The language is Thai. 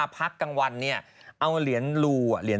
พี่ใช้เหรอ